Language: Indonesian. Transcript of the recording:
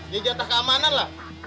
ya jatah keamanan lah